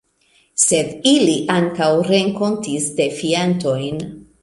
Sed ili ankaŭ renkontis defiantojn.